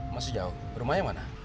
masih jauh rumahnya mana